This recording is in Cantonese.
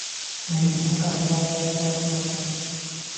你唔好咁囉囉嗦嗦